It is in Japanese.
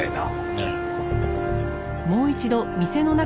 ええ。